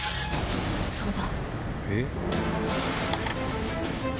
そうだ。